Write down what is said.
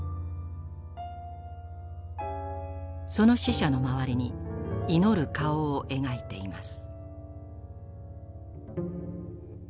その死者の周りに祈る顔を描いています。